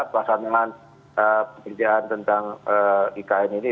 pelaksanaan pekerjaan tentang ikn ini